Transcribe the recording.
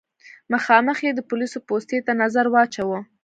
مخامخ يې د پوليسو پوستې ته نظر واچوه.